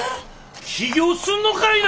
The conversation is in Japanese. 起業すんのかいな！